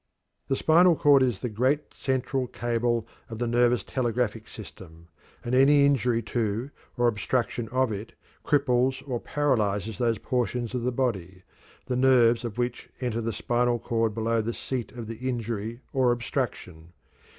The spinal cord is the great central cable of the nervous telegraphic system, and any injury to or obstruction of it cripples or paralyzes those portions of the body the nerves of which enter the spinal cord below the seat of the injury or obstruction.